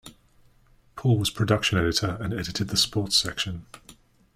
Paul was production editor and edited the sports section.